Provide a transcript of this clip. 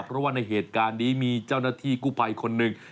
เพราะว่าในเหตุการณ์นี้มีเจ้าหน้าที่กู้ภัยคนหนึ่ง